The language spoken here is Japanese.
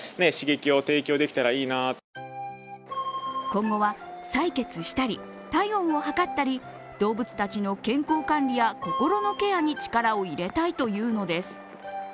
今後は採血したり、体温を測ったり動物たちの健康管理や心のケアに力を入れたいというのです。